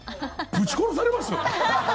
ぶち殺されますよ。